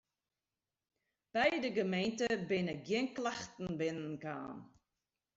By de gemeente binne gjin klachten binnen kaam.